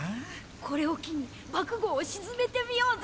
これを機に爆豪を沈めてみようぜ。